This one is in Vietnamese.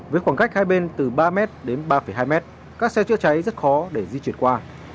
với khoảng cách hai bên từ ba m đến ba hai m các xe chữa cháy rất khó để di chuyển qua